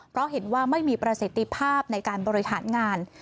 เพราะเห็นว่าไม่มีประสิทธิภาพในการบริหารงาน